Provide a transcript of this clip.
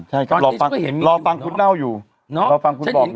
ใช่ครับตอนเที่ยงก็เห็นรอฟังคุณเน่าอยู่รอฟังคุณบอกอยู่